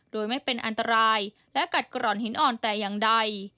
โดยไม่เป็นอันตรายและกัดกร่อนหินอ่อนแต่อย่างใด